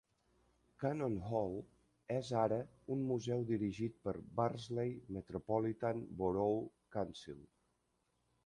Cannon Hall és ara un Museu dirigit per Barnsley Metropolitan Borough Council.